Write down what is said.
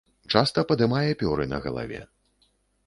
Часта падымае пёры на галаве.